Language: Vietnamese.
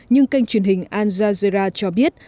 nhưng kênh truyền hình al jazeera cho biết